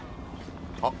あっ！